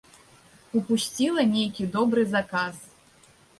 Упусціла нейкі добры заказ.